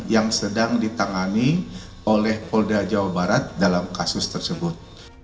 yang sedang ditangani oleh paul dajabar dalam kasus tersebut